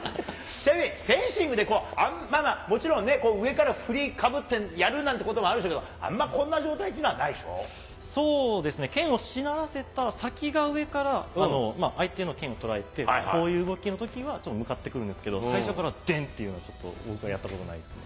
ちなみにフェンシングってもちろんね、上から振りかぶってやるなんてこともあるでしょうけど、あんまこんな状態っていうのはなそうですね、剣をしならせたら、先が上から相手の剣捉えて、こういう動きのときはちょっと向かってくるんですけど、最初からでんっていうのはちょっとやったことないですね。